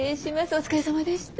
お疲れさまでした。